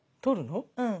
うん。